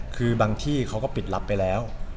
คือบางที่เขาก็ปิดรับไปแล้ว